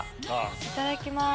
いただきます。